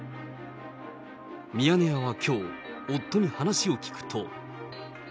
ミヤネ屋はきょう、夫に話を聞くと。